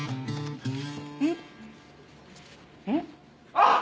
あっ！